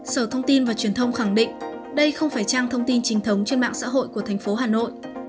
sở thông tin và truyền thông khẳng định đây không phải trang thông tin chính thống trên mạng xã hội của thành phố hà nội